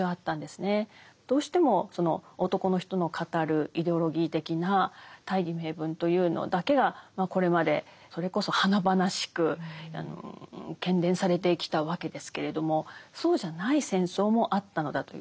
どうしてもその男の人の語るイデオロギー的な大義名分というのだけがこれまでそれこそ華々しく喧伝されてきたわけですけれどもそうじゃない戦争もあったのだという。